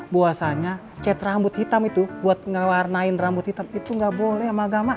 buasanya cat rambut hitam itu buat ngewarnain rambut hitam itu nggak boleh sama agama